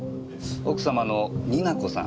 奥様の仁奈子さん